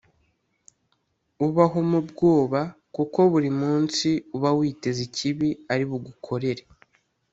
ubaho mu bwoba kuko buri munsi uba witeze ikibi ari bugukorere